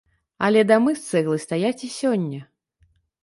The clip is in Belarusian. Але дамы з цэглы стаяць і сёння.